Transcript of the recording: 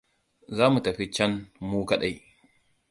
Za mu tafi can mu kaɗai.